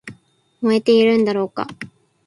燃えているんだろうか